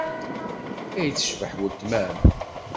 Ay tecbeḥ weltma-m!